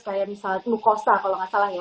kayak misalnya glukosa kalau nggak salah ya